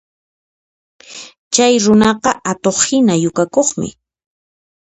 Chay runaqa atuqhina yukakuqmi